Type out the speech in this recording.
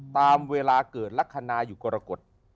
ตามเวลาเกิดรัฐนาอยู่กรกฎ